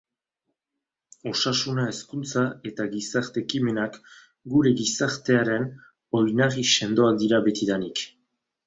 Osasuna, hezkuntza eta gizarte-ekimenak gure gizartearen oinarri sendoak dira betidanik.